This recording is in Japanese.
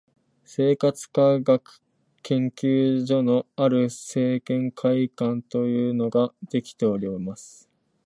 生活科学研究所のある生研会館というのができております